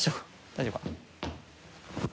大丈夫かな。